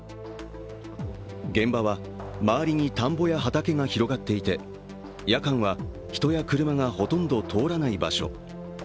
現場は周りに田んぼや畑が広がっていて夜間は人や車がほとんど通らない場所。